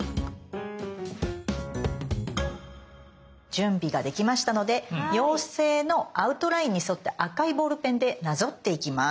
準備ができましたので妖精のアウトラインに沿って赤いボールペンでなぞっていきます。